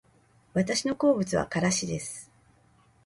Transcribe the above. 私の好物はからしです